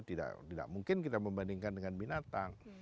tidak mungkin kita membandingkan dengan binatang